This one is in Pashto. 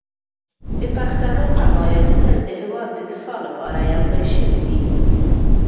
د پښتنو قبایل تل د هېواد د دفاع لپاره يو ځای شوي دي.